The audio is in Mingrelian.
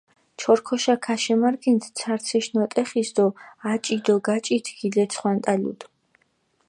ჩორქოშა ქაშემარგენდჷ ცარციშ ნოტეხის დო აჭი დო გაჭით გილეცხვანტალუდჷ.